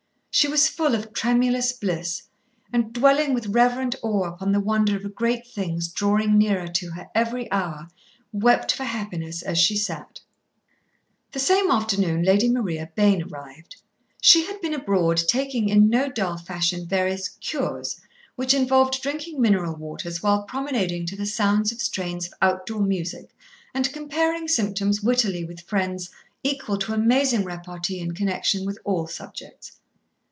She was full of tremulous bliss, and, dwelling with reverent awe upon the wonder of great things drawing nearer to her every hour, wept for happiness as she sat. The same afternoon Lady Maria Bayne arrived. She had been abroad taking, in no dull fashion, various "cures," which involved drinking mineral waters while promenading to the sounds of strains of outdoor music, and comparing symptoms wittily with friends equal to amazing repartee in connection with all subjects.